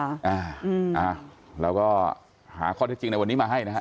อ่าเราก็หาข้อเท็จจริงในวันนี้มาให้นะฮะ